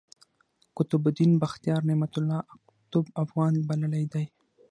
قطب الدین بختیار، نعمت الله اقطب افغان بللی دﺉ.